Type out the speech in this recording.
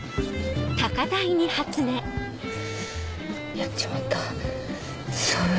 やっちまった寒い。